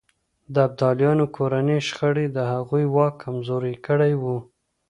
د ابدالیانو کورنۍ شخړې د هغوی واک کمزوری کړی و.